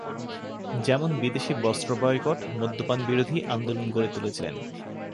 যেমন বিদেশি বস্ত্র বয়কট, মদ্যপান বিরোধী আন্দোলন গড়ে তুলেছিলেন।